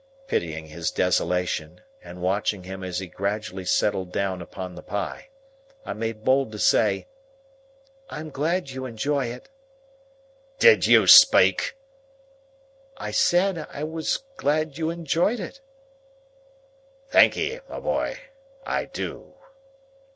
Pitying his desolation, and watching him as he gradually settled down upon the pie, I made bold to say, "I am glad you enjoy it." "Did you speak?" "I said I was glad you enjoyed it." "Thankee, my boy. I do."